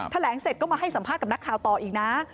แถลงเสร็จก็มาให้สัมภาษณ์กับนักข่าวต่ออีกนะ